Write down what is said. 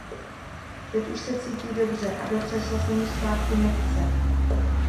Teď už se cítí dobře a do křesla se mu zpátky nechce.